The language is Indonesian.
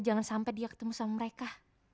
jangan sampai dia ketemu sama mereka